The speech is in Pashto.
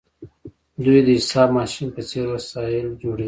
دوی د حساب ماشین په څیر وسایل جوړوي.